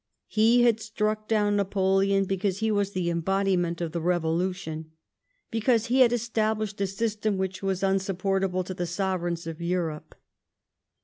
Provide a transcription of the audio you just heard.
He had struck down Napoleon because he was the em bodiment of the Revolution ; because he had established a system which was unsupportable to the sovereigns of Europe.